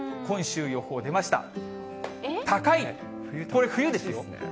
これ、冬ですよ。